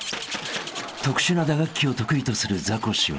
［特殊な打楽器を得意とするザコシは］